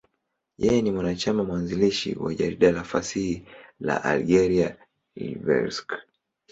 Yeye ni mwanachama mwanzilishi wa jarida la fasihi la Algeria, L'Ivrescq.